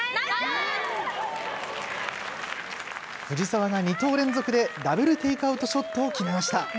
藤澤が２投連続でダブルテイクアウトショットを決めました。